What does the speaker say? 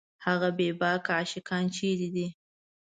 هغه بېباکه عاشقان چېرې دي